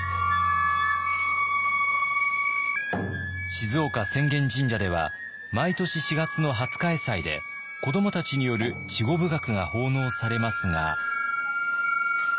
静岡浅間神社では毎年４月の廿日会祭で子どもたちによる稚児舞楽が奉納されますが。